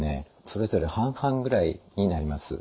それぞれ半々ぐらいになります。